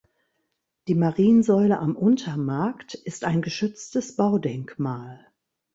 Die Mariensäule am Untermarkt ist ein geschütztes Baudenkmal.